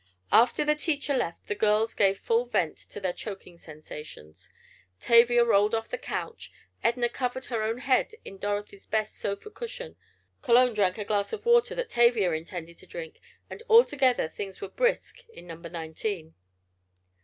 After the teacher left the girls gave full vent to their choking sensations. Tavia rolled off the couch, Edna covered her own head in Dorothy's best sofa cushion, Cologne drank a glass of water that Tavia intended to drink, and altogether things were brisk in Number Nineteen.